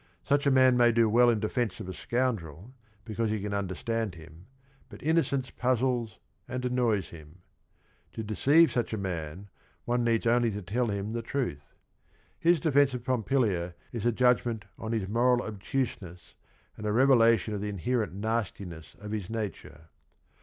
Such a man may do well in defence of a scoundrel, because he can understand him, but innocence puzzles and annoys him. To de ceive such a man one needs only to tell him the truth. Hi s defence o f Pompilia is a judgment on his moral obtuseness and a revelation uf th e inherent nastiness of his nature